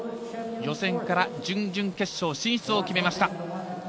予選から準々決勝進出を決めました。